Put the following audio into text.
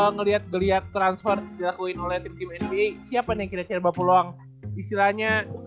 ngeliat geliat transfer dilakuin oleh tim nba siapa nih kira kira berapa banyak istilahnya